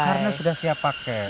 karena sudah siap pakai